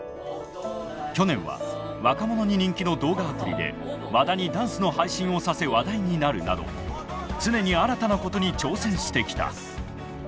去年は若者に人気の動画アプリで和田にダンスの配信をさせ話題になるなど常に新たなことに挑戦してきた。